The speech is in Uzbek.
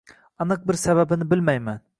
Aniq bir sababini bilmayman